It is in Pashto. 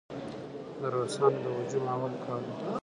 د روسانو د هجوم اول کال و.